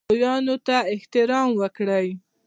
لویانو ته احترام وکړئ